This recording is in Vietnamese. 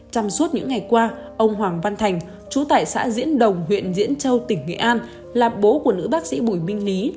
trong suốt những ngày qua ông hoàng văn thành chú tại xã diễn đồng huyện diễn châu tỉnh nghệ an là bố của nữ bác sĩ bùi minh lý